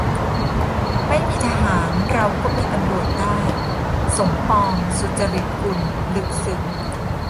"ไม่มีทหาร เราก็มีตำรวจได้" - สมปอง สุจริตกุล ลึกซึ้ง